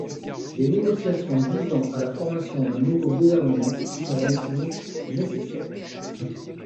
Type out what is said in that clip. Des négociations visant à la formation d'un nouveau gouvernement seront donc nécessaires.